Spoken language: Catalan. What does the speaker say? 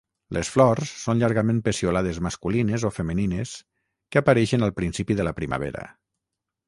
Les flors són llargament peciolades masculines o femenines que apareixen al principi de la primavera.